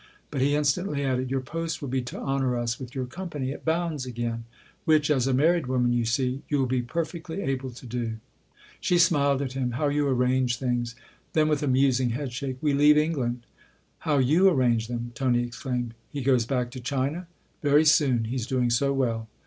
But he instantly added :" Your post will be to honour us with your company at Bounds again ; which, as a married woman, you see, you'll be per fectly able to do." She smiled at him. li How you arrange things !" Then with a musing headshake :" We leave Eng land." " How you arrange them !" Tony exclaimed. " He goes back to China ?"" Very soon he's doing so well."